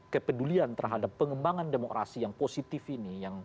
kepedulian terhadap pengembangan demokrasi yang positif ini